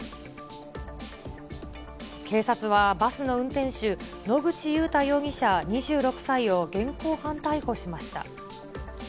警察はバスの運転手、野口祐太容疑者２６歳を現行犯逮捕しました。